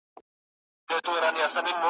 تښتېدلې ورنه ډلي د لېوانو.